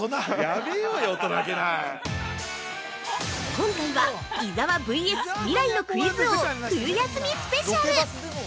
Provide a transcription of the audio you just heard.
◆今回は、伊沢ｖｓ未来のクイズ王冬休みスペシャル！